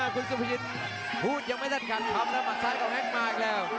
คุณสุภิกษ์พูดยังไม่ได้ขัดคำแล้วมันซ้ายของแฮคมาร์คแล้ว